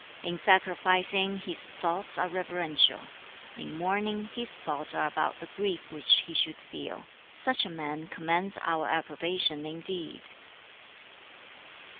In sacrificing, his thoughts are reverential. In mourning, his thoughts are about the grief which he should feel. Such a man commands our approbation indeed.'